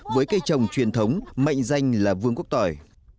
với cây trồng truyền thống mệnh danh là vương quốc tỏi